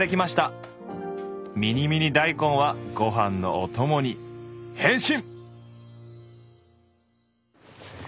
ミニミニ大根はご飯のお供に変身！